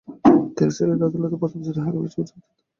তিনি সিলেটের আদালতে প্রথম শ্রেনীর হাকিম হিসেবে যোগদেন।